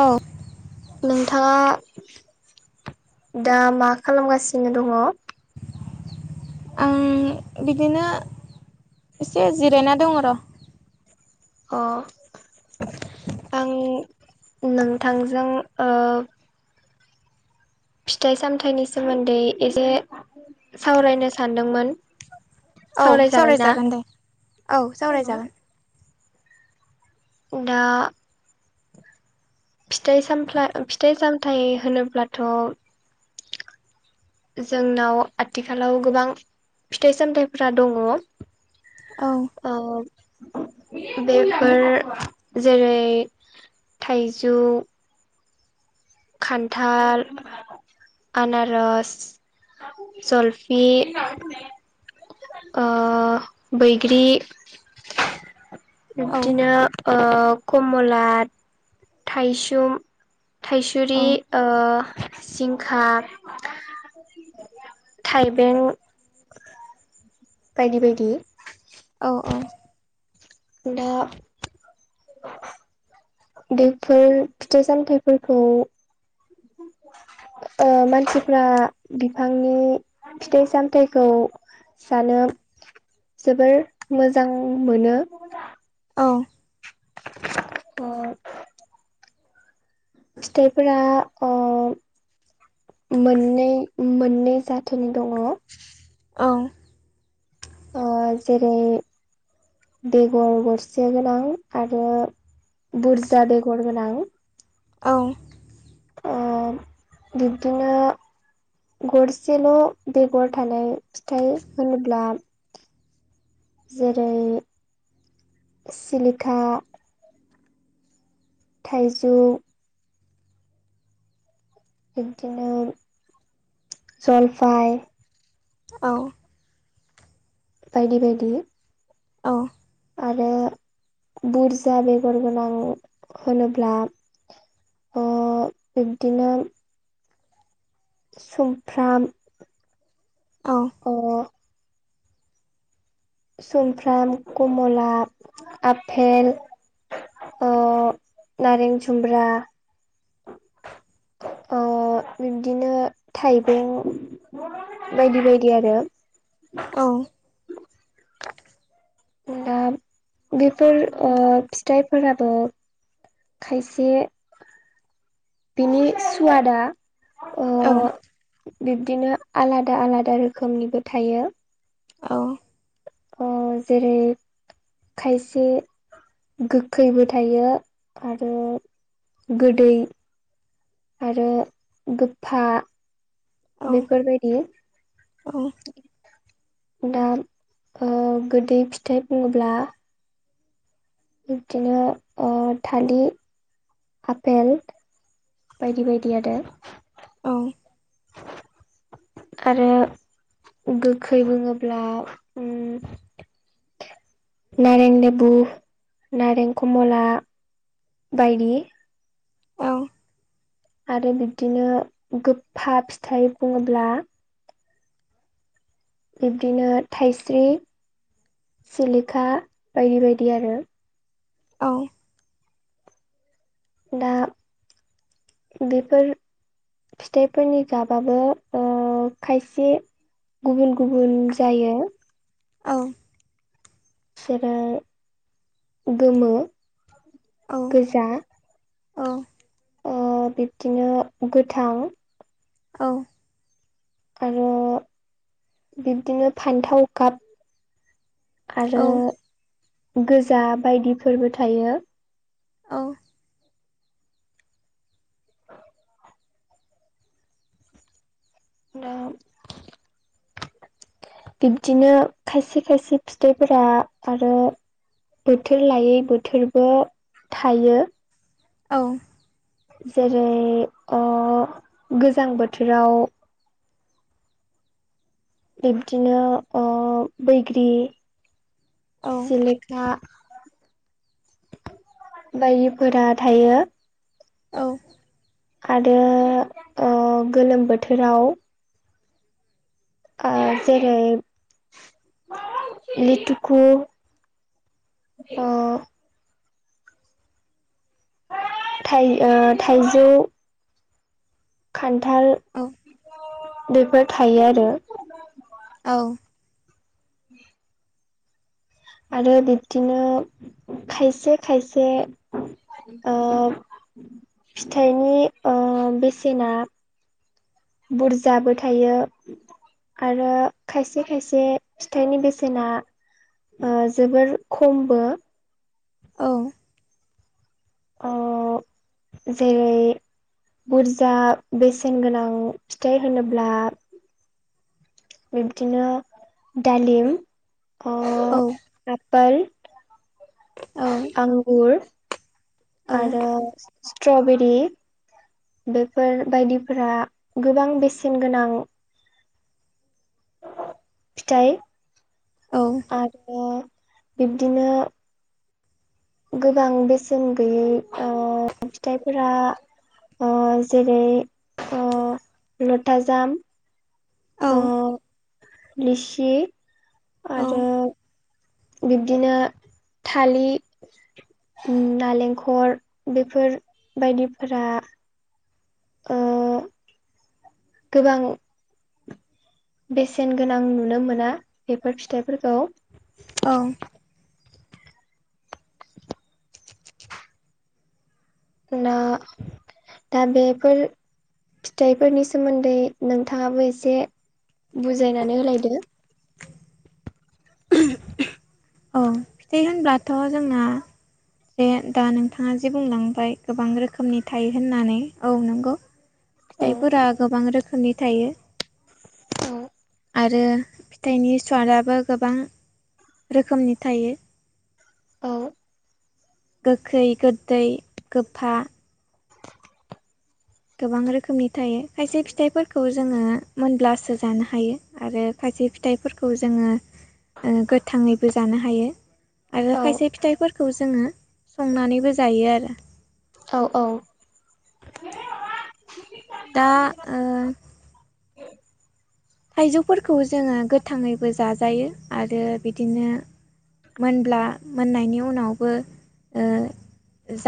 औ। नोंथाङा दा मा खालामगासिनो दङ? आं बिदिनो एसे जिरायना दङ र'। अ। आं नोंथांजों ओ फिथाइ सामथाइनि सोमोन्दै एसेे सावरायनो सानदोंमोन। औ सावरायजागोन दे औ सावरायजागोन। दा फिथाइ सामफ्ला फिथाइ सामथाइ होनोब्लाथ' जोंनाव आथिखालाव गोबां फिथाइ सामथाइफोरा दंङ। औ ओ बेफोर जेरै थाइजौ खान्थाल आनारस, जलफि ओ बैग्रि औ बिबदिनो कमला, थायसुम, थाय औ सुरि ओ जिंखा, थाइबें बायदि बायदि औ औ दा बेफोर फिथाइ सामथाइफोरखौ ओ मानसिफ्रा बिफांनि फिथाइ सामथायखौ जानो जोबोर मोजां मोनो। औ ओ फिथाइफोरा ओ मोननै मोननै जा औ ओ जेरै बेगर गरसे गोनां। आरो बुरजा बेगर गोनां। औ ओ बिब्दिनो गरसेल' बेगर थानाय फिथाइ होनोब्ला जेरै सिलिका थाइजौ बिदिनो जलफाय औ बायदि बायदि औ आरो बुरजा बेगर गोनां होनोब्ला। अ' बिब्दिनो सुमफ्राम औ ओ सुमफ्राम, कमला, आपेल ओ नारें जुमब्रा अ' बिब्दिनो थाइबें बायदि बायदि आरो औ दा बेफोर ओ फिथाइफोराबो खायसे बिनि सुवादा ओ बिबदिनो आलादा आलादा रोखोमनिबो थायो। ओ जेरै खायसे गोखैबो थायो। आरो गोदै आरो गोफा बेफोरबायदि औ दा ओ गोदै फिथाइ बुङोब्ला? बिदिनो ओ थालिर आपेल बायदि बायदि आरो। औ [inaudible] आरो गोखै बुङोब्ला उम। नारें लेबु नारें कम'ला बायदि। औ औ आरो बिब्दिनो गोफ्फा फिथाइ बुङोब्ला बिब्दिनो थाइस्रि। सिलिखा बायदि बायदि आरो। औ। दा बेफोर। फिथाइफोरनि गाबाबो ओ खायसे गुबुन गुबुन जायो। औ। जेरै गोमो, गोजा। औ। ओ बिब्दिनो गोथां। औ। आरो बिब्दिनो फान्थाव गाप। आरो गोजा बायदिफोरबो थायो। औ। दा बिबदिनो खायसे खायसे फिथाइफोरा आरो बोथोर लायै बोथोरबो थायो। औ। जेरै ओ गोजां बोथोराव बिब्दिनो ओ बैग्रि सिलिखा बायदिफोरा थायो। औ। आरो ओ गोलोम बोथोराव। आ जेरै लिटुखु। ओ थाइ ओ थाइजौ खान्थाल बेफोर थायो आरो। औ। आरो बिब्दिनो खायसे खायसे। ओ फिथाइनि ओ बेसेना। बुरजाबो थायो। आरो खायसे खायसे फिथाइनि बेसेना। जोबोर खमबो। औ। अ जेरै। बुरजा बेसेन गोनां फिथाइ होनोब्ला बिब्दिनो दालिम ओ आ पोल आंगुर। आरो स्ट्रबेरि। बेफोर बायदिफोरा गोबां बेसेन गोनां। फिथाइ आरो। बिब्दिनो। गोबां बेसेन गैयै ओ फिथाइफोरा ओ जेरै ओ लथाजाम ओ औ। लिसि आरो बिब्दिनो थालिर नालेंखर बेफोर बायदिफोरा ओ गोबां बेसेन गोनां नुनो मोना बेफोर फिथाइफोरखौ। ना दा बेफोर। फिथाइफोरनि सोमोन्दै नोंथाङाबो एसे बुजायनानै होलायदो औ फिथाइ होनब्लाथ' जोंना। जे दा नोंथाङा जे बुंलांबाय गोबां रोखोमनि थायो होननानै औ नंगौ। औ फिथाइफोरा गोबां रोखोमनि थायो। औ। आरो फिथाइनि सवादाबो गोबां रोखोमनि थायो। औ। गोखै गोदै गोफा। गोबां रोखोमनि थायो खायसे फिथाइफोरखौ जोङो मोनब्लासो जानो हायो आरो खायसे खायसे फिथाइफोरखौ जोङो गोथाङैबो जानो हायो आरो औ खायसे फिथाइफोरखौ। खौ जोङो संनानैबो जायो आरो। औ औ। दा। थाइजौफोरखौ जोङो गोथाङैबो जाजायो आरो बिदिनो। मोनब्ला मोननायनि उनावबो।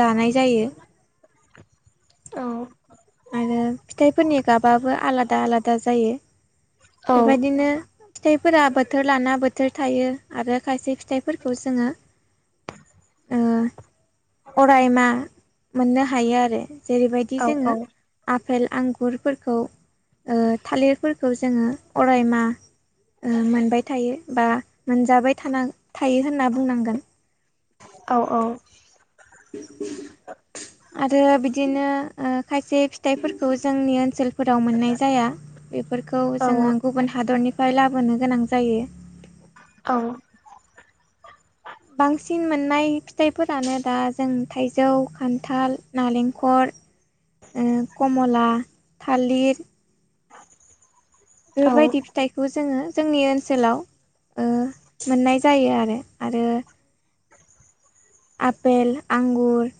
जानाय जायो। औ। आरो फिथाइफोरनि गाबाबो आलादा आलादा जायो। औ बेबायदिनो। फिथाइफोरा बोथोर लाना बोथोर थायो आरो खायसे फिथाइफोरखौ जोङो। ओ अरायमा मोननो हायो आरो जेरैबायदि औ जोङो। आफेल आंगुरफोरखौ थालिरफोरखौ जोङो अरायमा‌ मोनबाय थायो बा मोनजाबाय थान थायो होनना बुंनांगोन। औ औ। आरो बिदि। बिदिनो खायसे फिथाइफोरखौ जोंनि ओनसोल फोराव मोननाय जाया बेफोरखौ जोङो गुबुन हादरनि। बेाय लाबोनो गोनां जायो। औ। बांसिन मोननाय फिथाइफोरानो दा जों थाइजौ खान्थाल नालेंखर कमला थालिर बेफोरबायदि फिथाइखौ जोङो जोंनि ओनसोलाव मोननाय जायो आरो आरो। आपेल आंगुर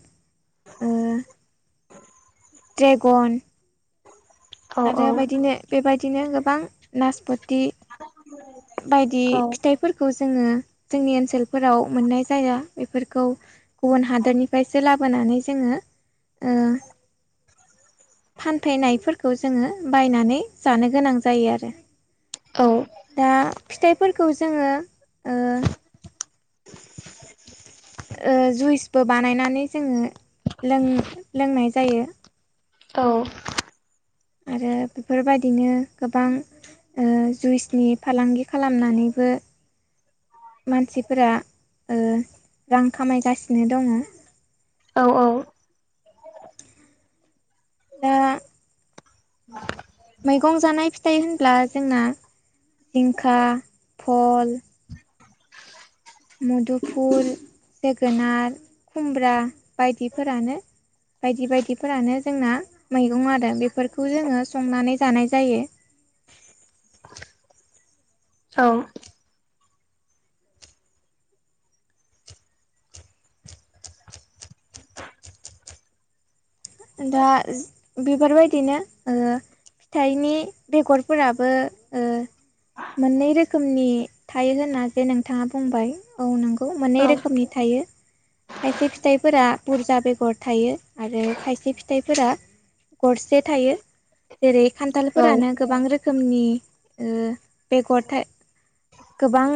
द्रेगन आरो औ बेदिनो बेबायदिनो गोबां नासप थि बायदि फिथाइफोरखौ जोङो जोंनि ओनसोलफोराव मोननाय जाया बेफोरखौ गुबुन हादोरनिफ्रायसो ला लाबोनानै जोङो फानफैनाय खौ जोङो बायनानै जानो गोनां जायो आरो दा फिथाइ खौ जोङो जुइसबो बानायनानै जोङो लों लोंनाय जायो औ। आरो बेफोरबायदिनो गोबां जुइसनि फालांगि खालामनानैबो [unintelligible] [inaudible] मानसिफोरा रां ओ खामायगासिनो दङ औ औ दा मैगं जानाय फिथाइ होनब्ला जोंना जिंखा फल मुदुफुल जोगोनार खुमब्रा बायदिफोरानो बायदि बायदिफोरानो जोंना मैगं आरो बेफोरखौ जोङो संनानै जानाय जायो [inaudible] [unintelligible] औ दा बेफोर‌बायदिनो फिथाइनि बेगरफोराबो ओ मोननै रोखोमनि थायो होनना जे नोंथाङा बुंबाय औ नंगौ मोननै रोखोमनि थायो खायसे फिथाइफोरा बुरजा बेगर थायो आरो खायसे फिथाइफोरा गरसे थायो जेरै खान्थालफोरानो गोबां रोखोम रोखोमनि बेगर था गोबां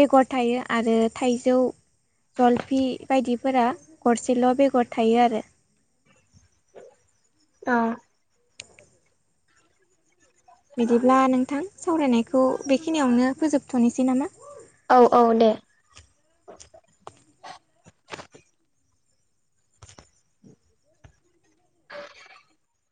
बेगर थायो आरो थाइजौ जलफि बायदिफोरा गरसेल' बेगर थायो आरो औ बिदिब्ला नोंथां सावरायनायखौ बेखिनियावनो फोजोबथ'नोसै नामा औ औ दे